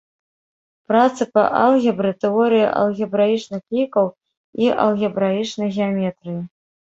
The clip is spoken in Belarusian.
Працы па алгебры, тэорыі алгебраічных лікаў і алгебраічнай геаметрыі.